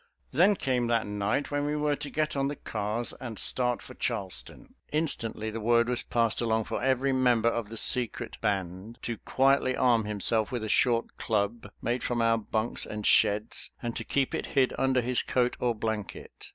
Then came that night when we were to get on the cars and start for Charleston. Instantly the word was passed along for every member of the secret "Band" to quietly arm himself with a short club, made from our bunks and sheds, and to keep it hid under his coat or blanket.